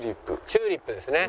チューリップですね。